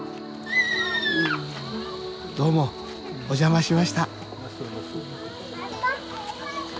どうもお邪魔しました。